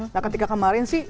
nah ketika kemarin sih